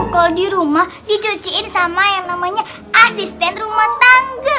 kalau di rumah dicuciin sama yang namanya asisten rumah tangga